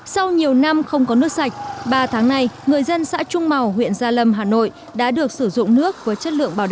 sau nhiều năm không có nước sạch ba tháng nay người dân xã trung màu huyện gia lâm hà nội đã được sử dụng nước sạch